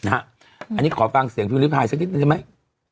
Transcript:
อันนี้ขอฟังเสียงพี่วิทย์ภายสักนิดหน่อยได้ไหม